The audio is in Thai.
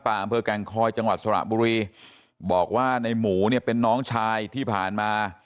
แล้วเขาจับได้ว่าไปอยู่กับสามีใหม่